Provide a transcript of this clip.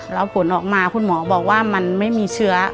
แล้วผลออกมาคุณหมอบอกว่ามันไม่มีเชื้อ